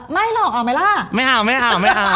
ไม่หรอกเอาไหมล่ะ